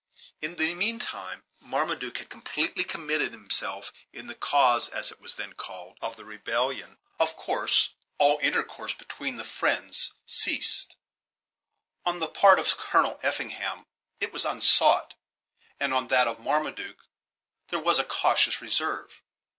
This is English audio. In the mean time Marmaduke had completely committed himself in the cause, as it was then called, of the rebel lion. Of course, all intercourse between the friends ceased on the part of Colonel Effingham it was unsought, and on that of Marmaduke there was a cautious reserve.